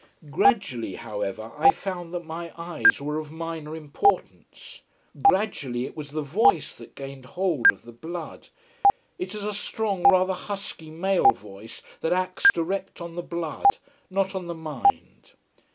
Gradually, however, I found that my eyes were of minor importance. Gradually it was the voice that gained hold of the blood. It is a strong, rather husky, male voice that acts direct on the blood, not on the mind.